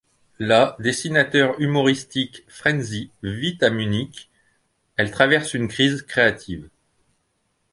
La dessinateur humoristique Frenzy vit à Munich, elle traverse une crise créative.